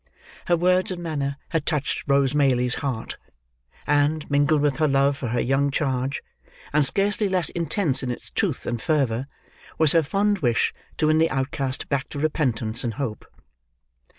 Her words and manner had touched Rose Maylie's heart; and, mingled with her love for her young charge, and scarcely less intense in its truth and fervour, was her fond wish to win the outcast back to repentance and hope.